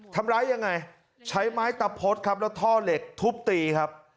ทำร้ายยังไงใช้ไม้ตะพดครับแล้วท่อเหล็กทุบตีครับ